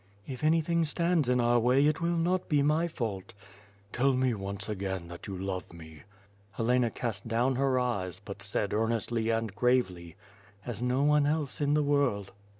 "If anything stands in our way, it will not be my fault." "Tell me once again that you love me." Helena cast down, her eyes, but said earnestly and gravely: "As no one else in the world."